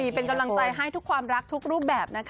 เป็นกำลังใจให้ทุกความรักทุกรูปแบบนะคะ